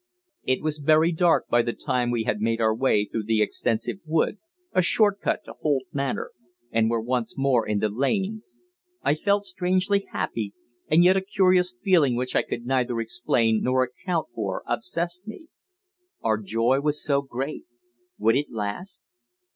It was very dark by the time we had made our way through the extensive wood a short cut to Holt Manor and were once more in the lanes, I felt strangely happy, and yet a curious feeling which I could neither explain nor account for obsessed me. Our joy was so great would it last?